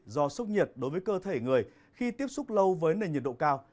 do sốc nhiệt đối với cơ thể người khi tiếp xúc lâu với nền nhiệt độ cao